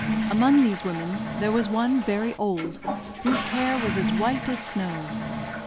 Among these women there was one very old, whose hair was as white as snow.